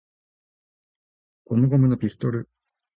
ゴムゴムのピストル!!!